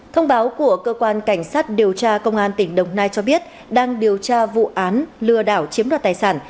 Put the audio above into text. thông báo của cơ quan cảnh sát điều tra công an tỉnh đồng nai cho biết đang điều tra vụ án lừa đảo chiếm đoạt tài sản